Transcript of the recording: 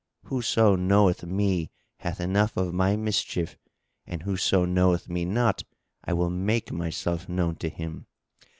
Whoso knoweth me hath enough of my mischief and whoso knoweth me not, I will make myself known to him.